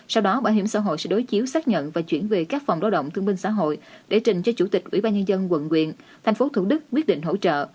sau đó bảo hiểm xã hội sẽ đối chiếu xác nhận và chuyển về các phòng lao động thương minh xã hội để trình cho chủ tịch ủy ban nhân dân quận quyện tp thủ đức quyết định hỗ trợ